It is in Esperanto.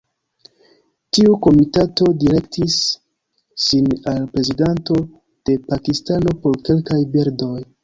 Tiu komitato direktis sin al Prezidento de Pakistano por kelkaj birdoj.